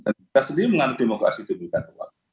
dan kita sendiri mengandung demokrasi itu memberikan ruang